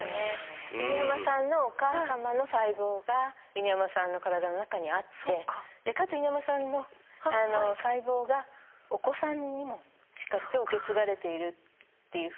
犬山さんのお母さまの細胞が犬山さんの体の中にあってかつ犬山さんの細胞がお子さんにもしっかりと受け継がれているっていうふうなね。